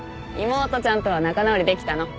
妹ちゃんとは仲直りできたの？